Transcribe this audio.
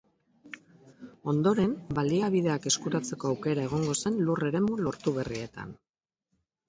Ondoren, baliabideak eskuratzeko aukera egongo zen lur eremu lortu berrietan.